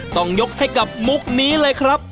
ต้องยกให้กับมุกนี้เลยครับ